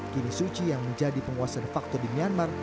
kini suci yang menjadi penguasa de facto di myanmar